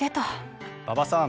馬場さん